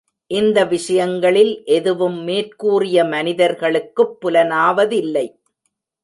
இந்த விஷயங்களில் எதுவும் மேற்கூறிய மனிதர்களுக்குப் புலனாவதில்லை.